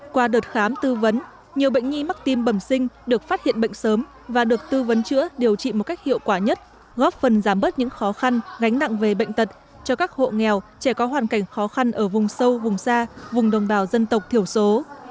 qua đợt khám tư vấn nhiều bệnh nhi mắc tim bẩm sinh được phát hiện bệnh sớm và được tư vấn chữa điều trị một cách hiệu quả nhất góp phần giảm bớt những khó khăn gánh nặng về bệnh tật cho các hộ nghèo trẻ có hoàn cảnh khó khăn ở vùng sâu vùng xa vùng đồng bào dân tộc thiểu số